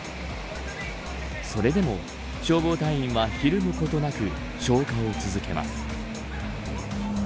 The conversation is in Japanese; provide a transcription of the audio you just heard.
それでも消防隊員はひるむことなく消火を続けます。